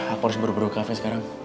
aku harus buru buru cafe sekarang